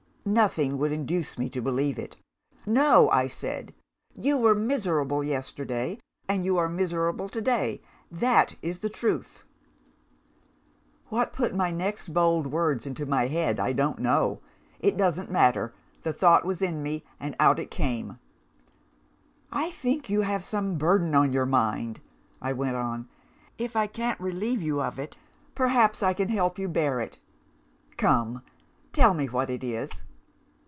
"Nothing would induce me to believe it. 'No,' I said. 'You were miserable yesterday, and you are miserable to day. That is the truth!' "What put my next bold words into my head, I don't know. It doesn't matter; the thought was in me and out it came. "'I think you have some burden on your mind,' I went on. 'If I can't relieve you of it, perhaps I can help you bear it. Come! tell me what it is.